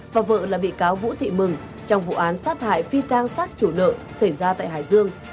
và vợ là bị cáo vũ thị mừng trong vụ án sát hại phi tang sát chủ nợ xảy ra tại hải dương